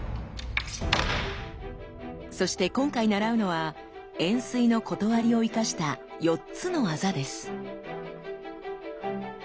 そして今回習うのは「円錐の理」を生かした４つの技です。